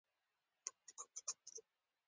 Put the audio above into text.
سړی او اس دواړه مشهور شول.